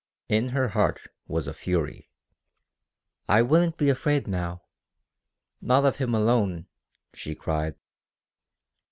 In her heart was a fury. "I wouldn't be afraid now not of him alone," she cried.